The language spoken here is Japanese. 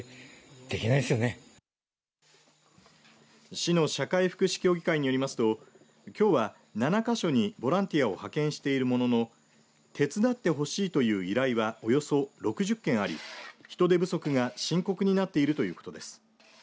市の社会福祉協議会によりますときょうは７か所にボランティアを派遣しているものの手伝ってほしいという依頼はおよそ６０件あり人手不足が深刻になっているということです。